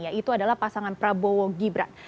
yaitu adalah pasangan prabowo gibran